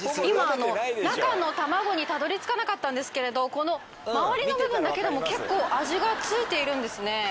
今中の卵にたどりつかなかったんですけどこの周りの部分だけでも結構味がついているんですね。